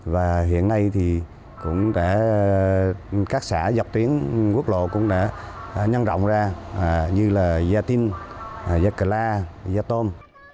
và hiện nay thì cũng đã các xã dọc tuyến quốc lộ cũng đã nhân rộng ra như là gia tinh gia cà la gia tôn